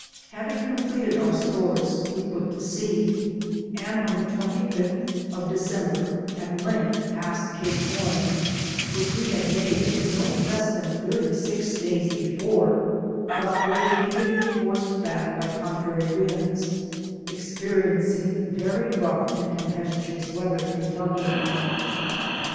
Having completed our stores we put to sea, and on the tweaty fifth of December, at length passed Cape Horn, which we had mAde no less than thirty six days before, but were repeatedly forced back by contrary winds, expriencing very rough and tempestuous weather in doubling it.